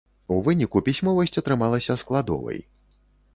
У выніку пісьмовасць атрымалася складовай.